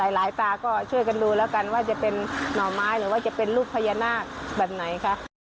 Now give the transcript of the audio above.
ตาก็ช่วยกันดูแล้วกันว่าจะเป็นหน่อไม้หรือว่าจะเป็นรูปพญานาคแบบไหนคะ